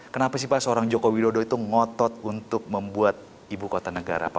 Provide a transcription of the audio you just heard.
kenapa sih pak seorang joko widodo itu ngotot untuk membuat ibu kota negara pak